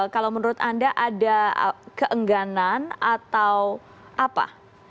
kalau menurut anda ada keengganan atau apa